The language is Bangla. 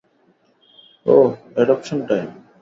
Uh, adoption time.